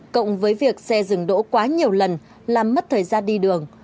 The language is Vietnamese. cộng với việc xe dừng đỗ quá nhiều lần làm mất thời gian đi đường